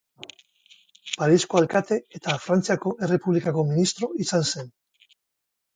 Parisko alkate eta Frantziako Errepublikako ministro izan zen.